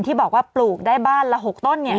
ที่บอกว่าปลูกได้บ้านละ๖ต้น